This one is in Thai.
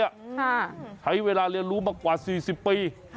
ใช่ใช้เวลาเรียนรู้มากกว่าสี่สิบปี